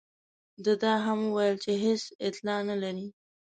ده دا هم وویل چې هېڅ اطلاع نه لري.